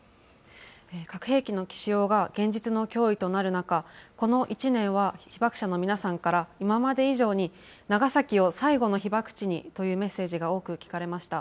核兵器の使用が現実の脅威となる中、この１年は被爆者の皆さんから、今まで以上に長崎を最後の被爆地にというメッセージが多く聞かれました。